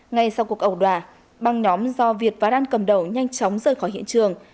ngay sau cuộc ẩu đoà băng nhóm do việt và đan cầm đầu nhanh chóng rời khỏi hiện trường